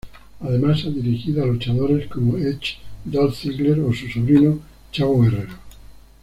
Además, ha dirigido a luchadores como Edge, Dolph Ziggler o su sobrino Chavo Guerrero.